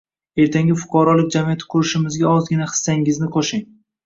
ertangi fuqarolik jamiyati qurishimizga ozgina hissangizni qo‘shing.